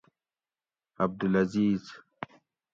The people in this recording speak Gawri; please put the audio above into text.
عبدالعزیز